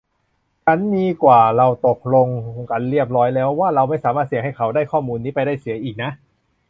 ฉันนีกว่าเราตกลงกันเรียบร้อยแล้วว่าเราไม่สามารถเสี่ยงให้เขาได้ข้อมูลนี้ไปได้เสียอีกนะ